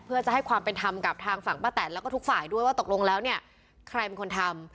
เพื่อจะให้ความเป็นธรรมกับทางฝั่งป้าแตนแล้วก็ทุกฝ่ายด้วยว่าตกลงแล้วเนี่ยใครเป็นคนทำ